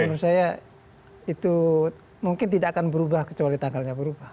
menurut saya itu mungkin tidak akan berubah kecuali tanggalnya berubah